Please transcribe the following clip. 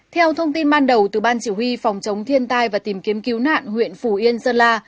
theo thông tin ban đầu từ ban chỉ huy phòng chống thiên tai và tìm kiếm cứu nạn huyện phủ yên sơn la